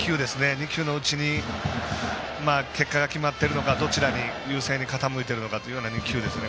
２球のうちに結果が決まっているのかどちらが優勢に傾いているのかという２球ですね。